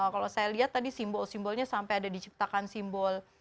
kalau saya lihat tadi simbol simbolnya sampai ada diciptakan simbol